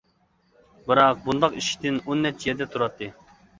بىراق بۇنداق ئىشىكتىن ئون نەچچە يەردە تۇراتتى.